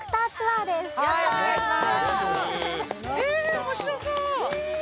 面白そう。